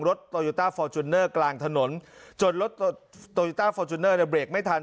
รถตอยุตาฟอร์จูเนอร์กลางถนนจนรถตอยุตาฟอร์จูเนอร์ในเบรกไม่ทัน